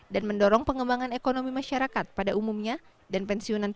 dan mendorong pengembangan ekonomi masyarakat pada umumnya dan perusahaan